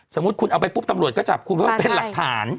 สมมุติคุณเอาไปปุ๊บตำรวจก็จับคุณเพราะเป็นหลักฐาน